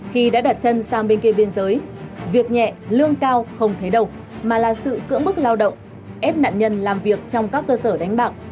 khi đã đặt chân sang bên kia biên giới việc nhẹ lương cao không thấy đâu mà là sự cưỡng bức lao động ép nạn nhân làm việc trong các cơ sở đánh bạc